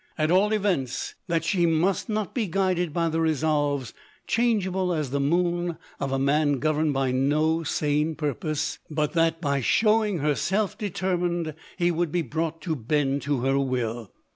At all events, that she must not be guided by the resolves, changeable as the moon, of a man governed by no sane purpose ; but that, by showing herself determined, lie would be brought to bend to her will.